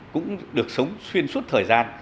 cũng được sống xuyên suốt thời gian